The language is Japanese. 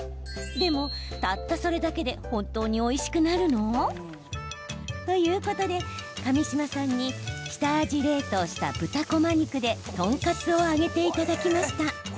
でも、たったそれだけで本当においしくなるの？ということで上島さんに下味冷凍した豚こま肉でトンカツを揚げていただきました。